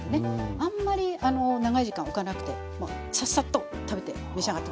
あんまり長い時間おかなくてササッと食べて召し上がって下さい。